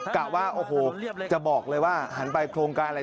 กะว่าโอ้โหจะบอกเลยว่าหันไปโครงการอะไร